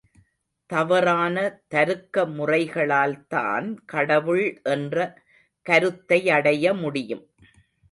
தவறான தருக்க முறைகளால்தான் கடவுள் என்ற கருத்தையடைய முடியும்.